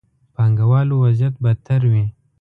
پانګه والو وضعيت بدتر وي.